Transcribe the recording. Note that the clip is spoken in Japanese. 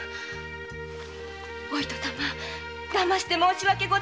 お糸様だまして申し訳ございませんでした。